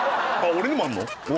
俺にもあんの？